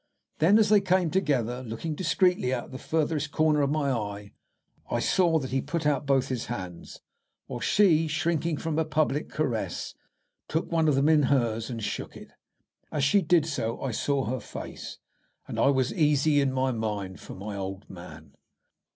Then, as they came together, looking discreetly out of the furthest corner of my eye, I saw that he put out both his hands, while she, shrinking from a public caress, took one of them in hers and shook it. As she did so I saw her face, and I was easy in my mind for my old man.